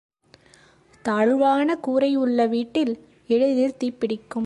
தாழ்வான கூரை உள்ள வீட்டில் எளிதில் தீப்பிடிக்கும்.